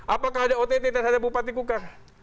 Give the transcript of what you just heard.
apakah ada ott terhadap bupati kukang